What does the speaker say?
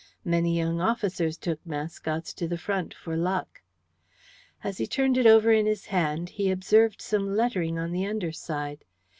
Many young officers took mascots to the front for luck. As he turned it over in his hand he observed some lettering on the underside.